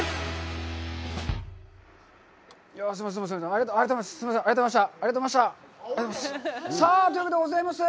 ありがとうございます。